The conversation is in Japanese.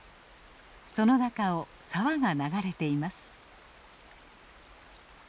その中を沢が流れています。